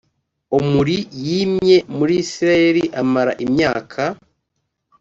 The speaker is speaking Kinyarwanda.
omuri yimye muri isirayeli amara imyaka